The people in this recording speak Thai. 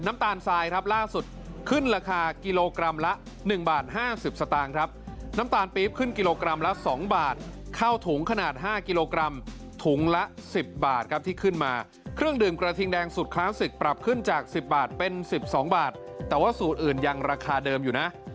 อะไรติดตามในเช้านี้ต้องรู้